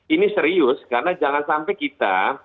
ini serius karena jangan sampai kita